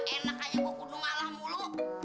enak aja gua gunung malah mulu